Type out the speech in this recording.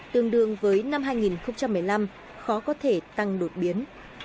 tương đương với năm hai nghìn một mươi năm khó có thể tăng đột biến